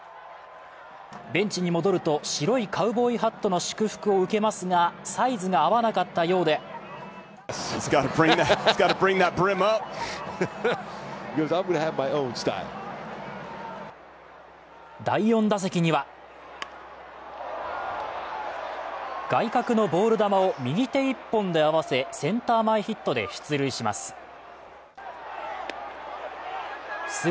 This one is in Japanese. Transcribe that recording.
ベンチに戻ると、白いカウボーイハットの祝福を受けますが、サイズが合わなかったようで第４打席には外角のボール球を右手一本で合わせ、センター前ヒットで出塁します。